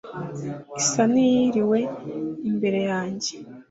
Isa n'iyiriwe imbere yanjye!"